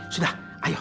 sudah ayo gitu